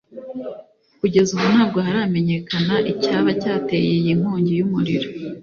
Kugeza ubu ntabwo haramenyekana icyaba cyateye iyi nkongi y’umuriro